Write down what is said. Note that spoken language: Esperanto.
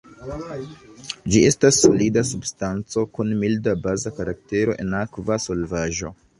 Ĝi estas solida substanco kun milda baza karaktero en akva solvaĵo.